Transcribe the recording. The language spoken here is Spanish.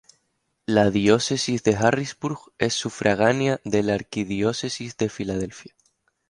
La diócesis de Harrisburg es sufragánea de la arquidiócesis de Filadelfia.